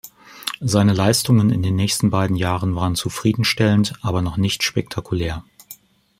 Seine Leistungen in den nächsten beiden Jahren waren zufriedenstellend, aber noch nicht spektakulär.